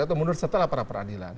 atau mundur setelah peradilan